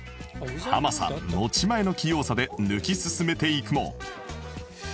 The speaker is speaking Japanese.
ハマさん持ち前の器用さで抜き進めていくも